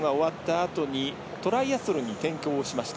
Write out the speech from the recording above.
あとトライアスロンに転向しました。